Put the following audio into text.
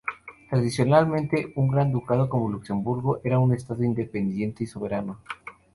Tradicionalmente, un gran ducado, como Luxemburgo, era un estado independiente y soberano.